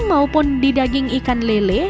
maupun di daging ikan lele